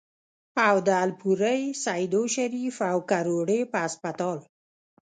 او د الپورۍ ، سېدو شريف ، او کروړې پۀ هسپتال